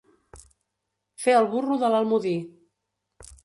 Fer el burro de l'Almodí.